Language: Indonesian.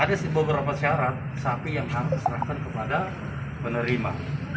ada beberapa syarat sapi yang harus diserahkan kepada penerima